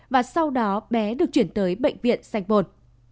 và sau đó bé được chuyển tới bệnh viện sanh bồn